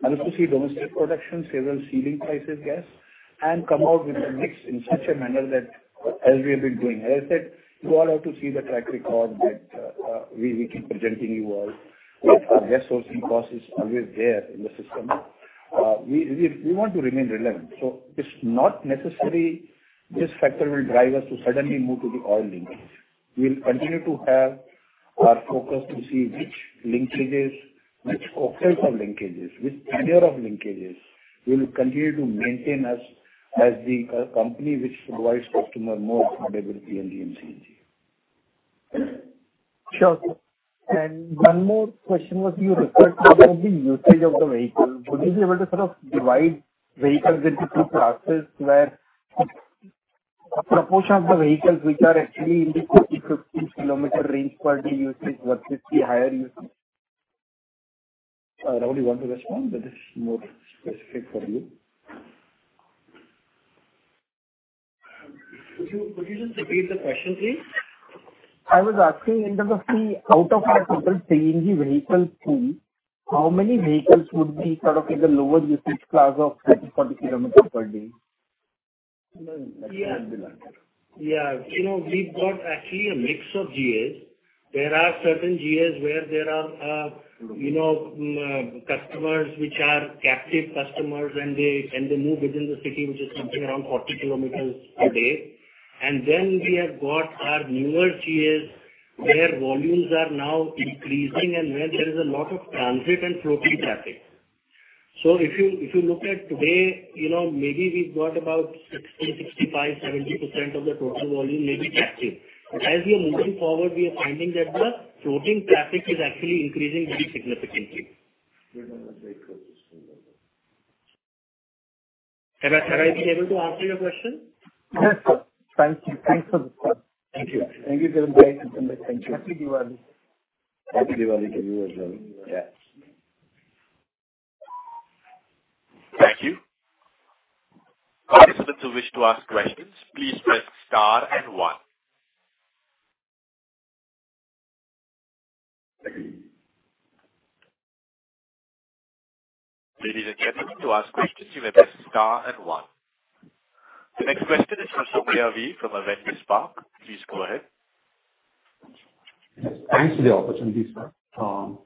and also see domestic production, several ceiling prices, gas, and come out with a mix in such a manner that as we have been doing. As I said, you all have to see the track record that we keep presenting you all, with our gas sourcing costs is always there in the system. We want to remain relevant, so it's not necessary this factor will drive us to suddenly move to the oil linkage. We'll continue to have our focus to see which linkages, which focus of linkages, which tenure of linkages will continue to maintain us as the company which provides customer more affordability in the CNG. Sure. And one more question was, you referred to the usage of the vehicle. Would you be able to sort of divide vehicles into two classes, where a proportion of the vehicles which are actually in the 40, 50 kilometer range per the usage versus the higher usage? Rahul, you want to respond? That is more specific for you. Could you just repeat the question, please? I was asking in terms of the, out of our total CNG vehicle pool, how many vehicles would be sort of in the lower usage class of 30-40 km per day? Yeah. Yeah. You know, we've got actually a mix of GAs. There are certain GAs where there are customers, which are captive customers, and they move within the city, which is something around 40 kilometers per day. And then we have got our newer GAs, where volumes are now increasing and where there is a lot of transit and floating traffic. So if you look at today, you know, maybe we've got about 60%-70% of the total volume may be captive. But as we are moving forward, we are finding that the floating traffic is actually increasing very significantly. Have I been able to answer your question? Yes, sir. Thank you. Thanks for the support. Thank you. Thank you very much. Thank you. Happy Diwali! Happy Diwali to you as well. Yeah. Thank you. Participants who wish to ask questions, please press star and one. Ladies and gentlemen, to ask questions, you may press star and one. The next question is from Ravi, from Avendus Spark. Please go ahead. Thanks for the opportunity, sir. So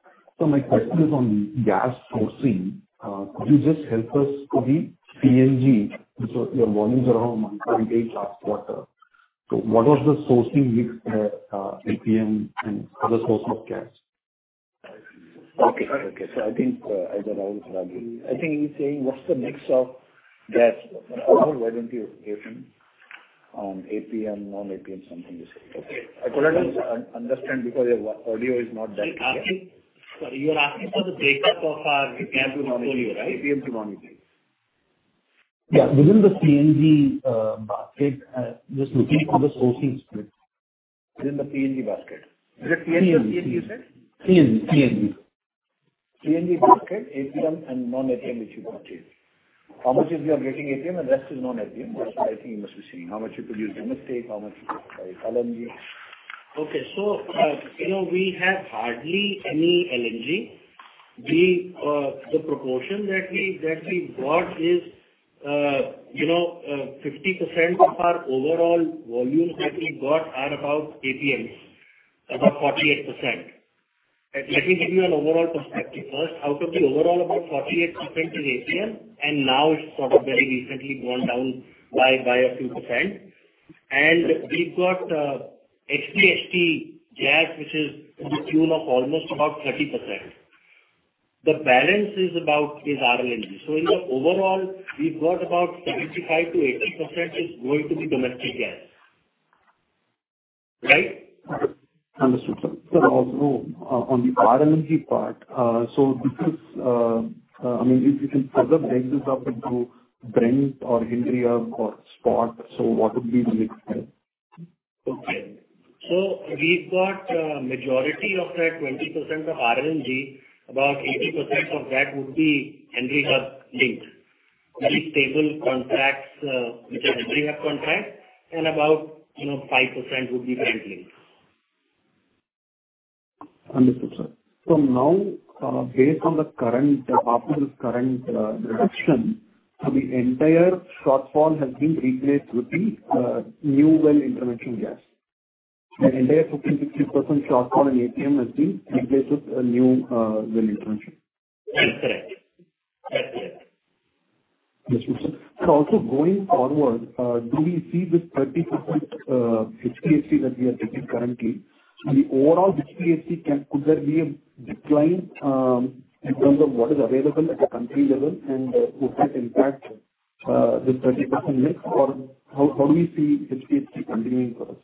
my question is on gas sourcing. Could you just help us with the CNG, so your volumes around month-end last quarter? So what was the sourcing mix, APM and other source of gas? Okay, okay. So I think, as Rahul, I think he's saying, what's the mix of gas? Overall, why don't you on APM, non-APM, something to say? I could not understand because your audio is not that clear. Sorry, you are asking for the breakup of our APM portfolio, right? APM to monitoring. Yeah, within the CNG basket, just looking for the sourcing split. Within the CNG basket. Is it CNG or CBG, you said? CNG, CNG. CNG basket, APM, and non-APM, which you bought in. How much is we are getting APM, and rest is non-APM. That's what I think you must be seeing. How much you produce domestic, how much you produce by LNG. Okay. So, you know, we have hardly any LNG. The proportion that we got is, you know, 50% of our overall volume that we got are about APMs, about 48%. Let me give you an overall perspective. First, out of the overall, about 48% is APM, and now it's sort of very recently gone down by a few percent. And we've got HPHT gas, which is to the tune of almost about 30%. The balance is about, is R-LNG. So in the overall, we've got about 75%-80% is going to be domestic gas. Right? Understood, sir. But also, on the R-LNG part, so this is, I mean, if you can further break this up into Brent or Henry Hub or spot, so what would be the mix there? Okay. So we've got majority of that 20% of R-LNG, about 80% of that would be Henry Hub linked. These stable contracts, which are Henry Hub contract, and about, you know, 5% would be Brent linked. Understood, sir. So now, based on the current, after this current reduction, so the entire shortfall has been replaced with the new well intervention gas. The entire 15.60% shortfall in APM has been replaced with a new well intervention. Yes, correct. Yes. Yes, sir. So also going forward, do we see this 30% HPHT that we are taking currently, the overall HPHT could there be a decline in terms of what is available at the country level and would that impact the 30% mix, or how do we see HPHT continuing for us?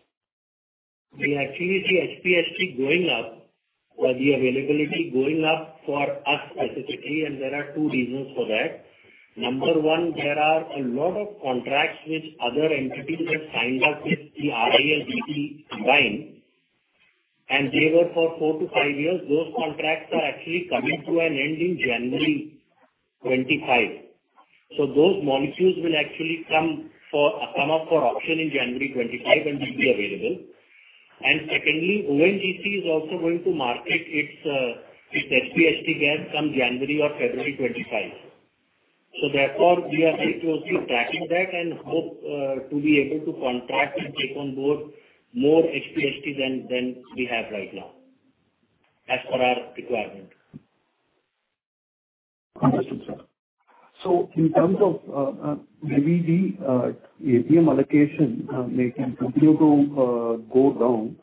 We actually see HPHT going up, or the availability going up for us specifically, and there are two reasons for that. Number one, there are a lot of contracts which other entities have signed up with the RIL-BP combined, and they were for four to five years. Those contracts are actually coming to an end in January 2025. So those molecules will actually come up for auction in January 2025, and will be available. And secondly, ONGC is also going to market its its HPHT gas come January or February 2025. So therefore, we are very closely tracking that and hope to be able to contract and take on board more HPHT than we have right now, as per our requirement. Understood, sir. So in terms of maybe the APM allocation may continue to go down,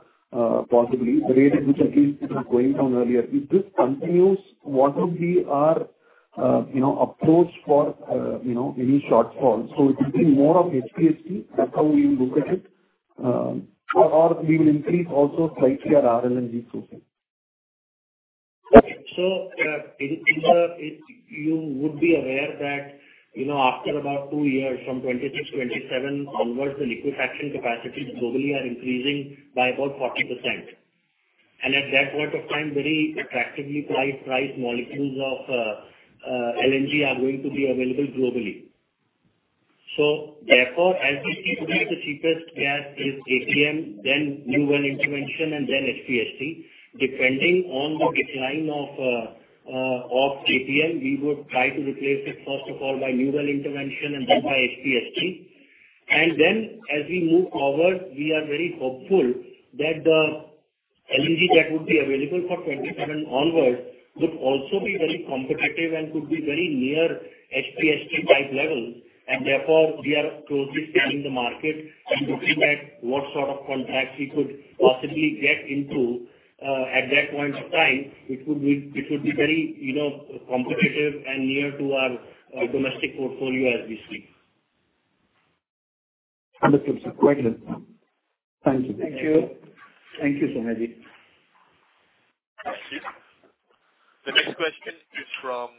possibly the rate at which again it was going down earlier. If this continues, what would be our you know approach for you know any shortfall? So it will be more of HPHT, that's how we look at it, or we will increase also slightly our LNG sourcing. You would be aware that, you know, after about two years, from 2026, 2027 onwards, the liquefaction capacities globally are increasing by about 40%. At that point of time, very attractively priced molecules of LNG are going to be available globally. Therefore, as we see today, the cheapest gas is APM, then new well intervention, and then HPHT. Depending on the decline of APM, we would try to replace it, first of all, by new well intervention and then by HPHT. Then as we move forward, we are very hopeful that the LNG that would be available for 2027 onwards would also be very competitive and could be very near HPHT type levels. Therefore, we are closely scanning the market and looking at what sort of contracts we could possibly get into, at that point of time, which would be very, you know, competitive and near to our domestic portfolio as we speak. Understood, sir. Very good. Thank you. Thank you. Thank you so much. Thank you. The next question is from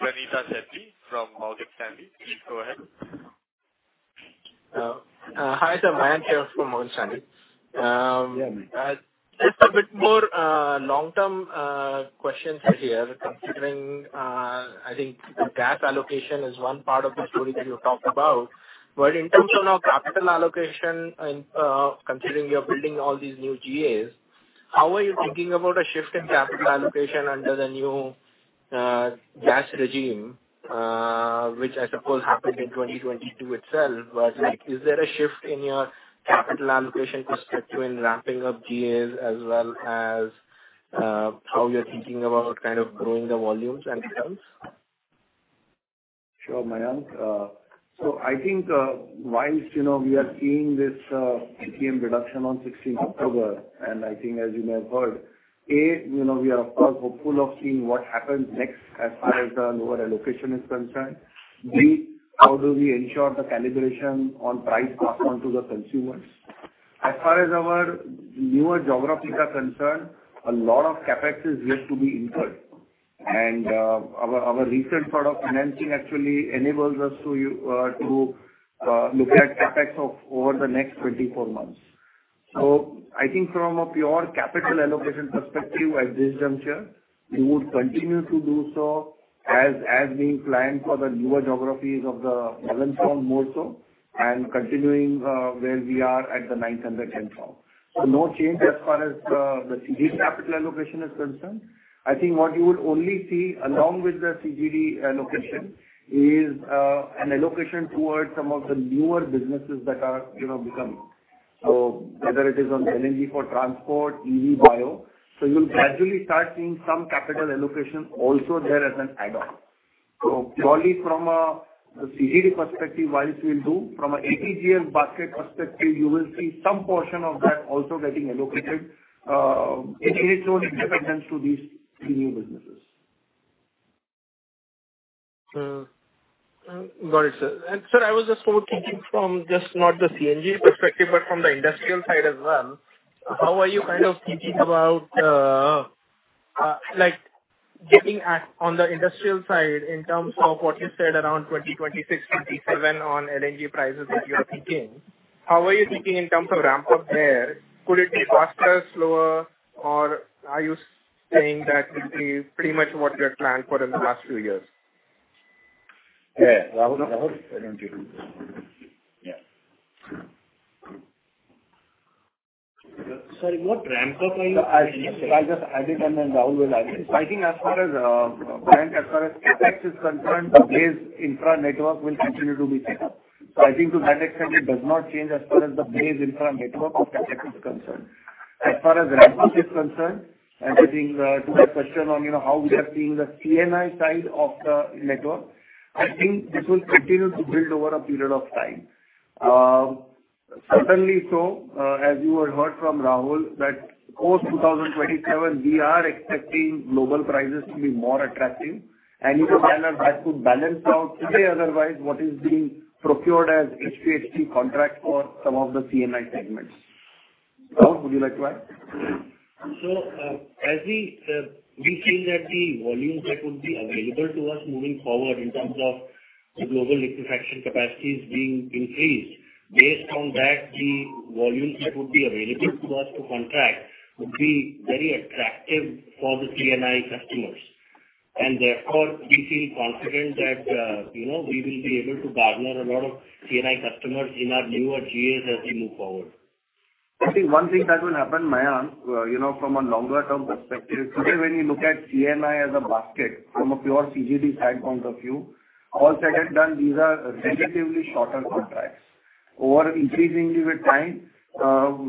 Ranita Sethi from Morgan Stanley. Please go ahead. Hi, sir, Mayank here from Morgan Stanley. Just a bit more long-term questions here, considering I think the gas allocation is one part of the story that you talked about. But in terms of now capital allocation and considering you're building all these new GAs, how are you thinking about a shift in capital allocation under the new gas regime? Which I suppose happened in twenty-twenty-two itself, but like, is there a shift in your capital allocation perspective in ramping up GAs as well as how you're thinking about kind of growing the volumes and sales? Sure, Mayank, so I think, while, you know, we are seeing this APM reduction on 16th October, and I think as you may have heard, A, you know, we are, of course, hopeful of seeing what happens next as far as the lower allocation is concerned. B, how do we ensure the calibration on price pass on to the consumers? As far as our newer geographies are concerned, a lot of CapEx is yet to be incurred, and our recent sort of financing actually enables us to look at CapEx of over the next 24 months, so I think from a pure capital allocation perspective, at this juncture, we would continue to do so as being planned for the newer geographies of the 7th Round, more so, and continuing where we are at the 9th and 10th Round. So no change as far as, the CGD capital allocation is concerned. I think what you would only see along with the CGD allocation is, an allocation towards some of the newer businesses that are, you know, becoming. So whether it is on LNG for transport, EV, Bio, so you'll gradually start seeing some capital allocation also there as an add-on. So purely from a CGD perspective, wise we'll do. From a ATGL basket perspective, you will see some portion of that also getting allocated, in its own independence to these three new businesses. Got it, sir. And sir, I was just sort of thinking from just not the CNG perspective, but from the industrial side as well. How are you kind of thinking about, like, getting at-- on the industrial side, in terms of what you said around 2026, 2027 on LNG prices that you are thinking, how are you thinking in terms of ramp-up there? Could it be faster, slower, or are you saying that it will be pretty much what you had planned for in the last few years? Yeah, Rahul, Rahul, why don't you...? Yeah. Sir, what ramp-up are you saying? I'll just add it, and then Rahul will add it. I think as far as, as far as CapEx is concerned, the base infra network will continue to be set up. So I think to that extent, it does not change as far as the base infra network of CapEx is concerned. As far as LNG is concerned, I think, to the question on, you know, how we are seeing the C&I side of the network, I think this will continue to build over a period of time. Certainly, so, as you have heard from Rahul, that post 2027, we are expecting global prices to be more attractive, and in a manner that would balance out today, otherwise, what is being procured as HPHT contract for some of the C&I segments. Rahul, would you like to add? As we feel that the volumes that would be available to us moving forward in terms of the global liquefaction capacities being increased, based on that, the volumes that would be available to us to contract would be very attractive for the C&I customers. Therefore, we feel confident that, you know, we will be able to garner a lot of C&I customers in our newer GA as we move forward. I think one thing that will happen, Mayank, you know, from a longer term perspective, today, when you look at C&I as a basket from a pure CGD standpoint of view, all said and done, these are relatively shorter contracts. Over increasingly with time,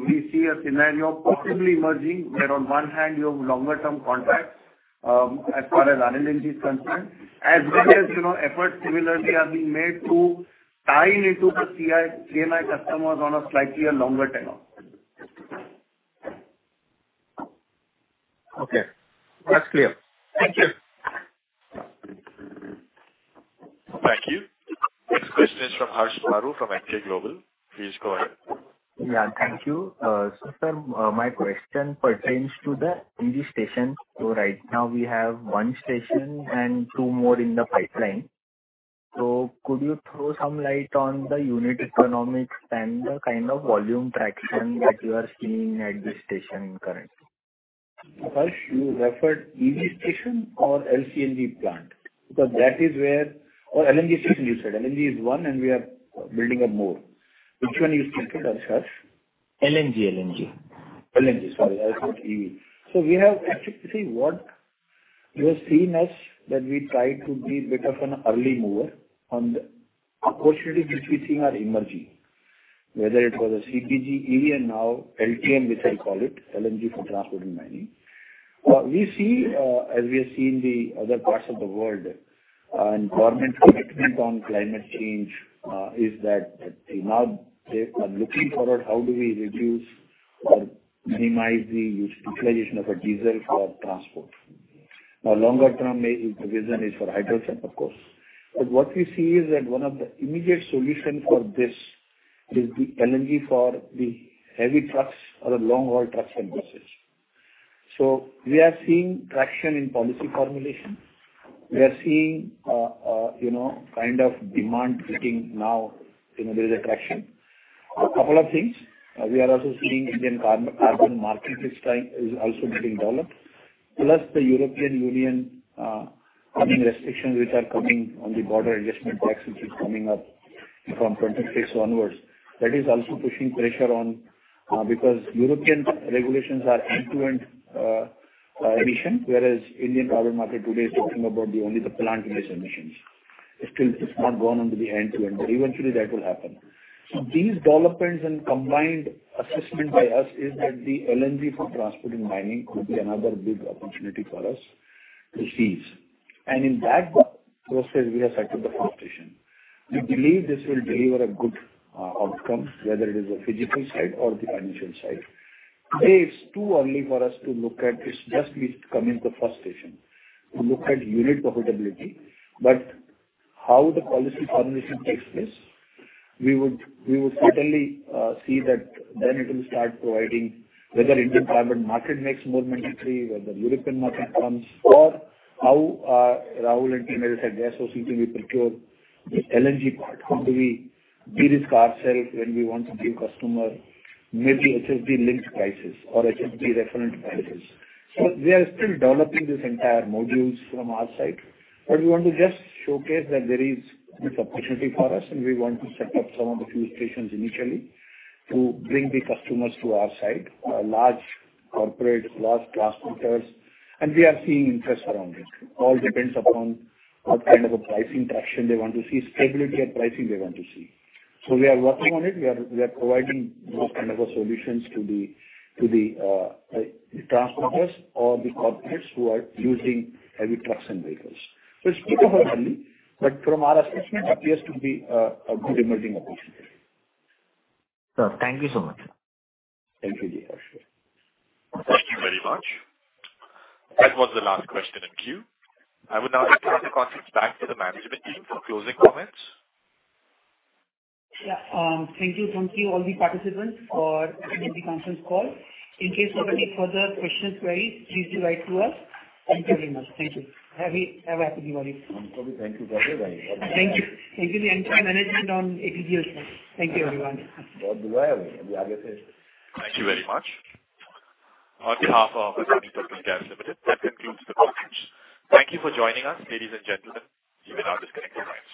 we see a scenario possibly emerging, where on one hand, you have longer term contracts, as far as LNG is concerned, as well as, you know, efforts similarly are being made to tie into the C&I customers on a slightly a longer tenure. Okay, that's clear. Thank you. Thank you. Next question is from Harsh Maru from Emkay Global. Please go ahead. Yeah, thank you. So, sir, my question pertains to the EV station. So right now we have one station and two more in the pipeline. So could you throw some light on the unit economics and the kind of volume traction that you are seeing at this station currently? Harsh, you referred EV station or LCNG plant? Because that is where... Or LNG station, you said. LNG is one, and we are building up more. Which one you referred to, Harsh? LNG, LNG. LNG, sorry, I thought EV. So we have actually, see, what you have seen us, that we try to be bit of an early mover on the opportunities which we see are emerging, whether it was a CNG, EV, and now LTM, which I call it, LNG for Transport and Mining. We see, as we have seen the other parts of the world, and government commitment on climate change, is that they now, they are looking forward, how do we reduce or minimize the use of a diesel for transport? A longer term may, the vision is for hydrogen, of course. But what we see is that one of the immediate solution for this is the LNG for the heavy trucks or the long-haul trucks and buses. So we are seeing traction in policy formulation. We are seeing, you know, kind of demand kicking now, you know, there is a traction. A couple of things, we are also seeing Indian carbon market this time is also getting developed, plus the European Union having restrictions which are coming on the border adjustment tax, which is coming up from 2026 onwards. That is also pushing pressure on, because European regulations are end-to-end emission, whereas Indian carbon market today is talking about the only the plant-based emissions. It's still, it's not gone on to the end-to-end, but eventually that will happen. So these developments and combined assessment by us is that the LNG for transport and mining could be another big opportunity for us to seize. And in that process, we have set up the first station. We believe this will deliver a good outcome, whether it is the physical side or the financial side. Today, it's too early for us to look at. It's just we've come in the first station to look at unit profitability. But how the policy formulation takes place, we would certainly see that then it will start providing whether Indian carbon market makes more mandatory, whether European market comes, or how Rahul and team has said, they are also seeking to procure the LNG part. How do we de-risk ourselves when we want to give customer maybe HSD-linked prices or HSD-reference prices? So we are still developing these entire modules from our side, but we want to just showcase that there is a good opportunity for us, and we want to set up some of the few stations initially to bring the customers to our side, large corporates, large transporters, and we are seeing interest around it. All depends upon what kind of a pricing traction they want to see, stability and pricing they want to see. So we are working on it. We are providing those kind of solutions to the transporters or the corporates who are using heavy trucks and vehicles. So it's too early, but from our assessment, appears to be a good emerging opportunity. Sir, thank you so much. Thank you, Harsh. Thank you very much. That was the last question in queue. I would now like to turn the conference back to the management team for closing comments. Yeah, thank you. Thank you all the participants for attending the conference call. In case you have any further questions, queries, please do write to us. Thank you very much. Thank you. Have a happy Diwali. Thank you for this. Thank you. Thank you to the entire management of ATGL. Thank you, everyone. Thank you very much. On behalf of Adani Total Gas Limited, that concludes the conference. Thank you for joining us, ladies and gentlemen. You may now disconnect the lines.